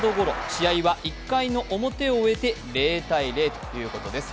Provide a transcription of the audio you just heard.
試合は１回の表を終えて０−０ということです。